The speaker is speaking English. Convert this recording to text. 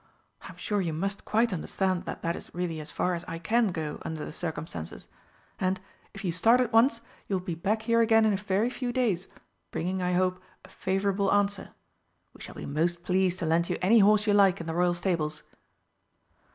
I'm sure you must quite understand that that is really as far as I can go under the circumstances. And, if you start at once, you will be back here again in a very few days, bringing, I hope, a favourable answer. We shall be most pleased to lend you any horse you like in the Royal Stables."